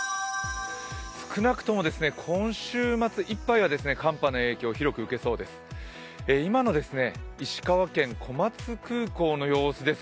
少なくとも今週末いっぱいは寒波の影響、広く受けそうです。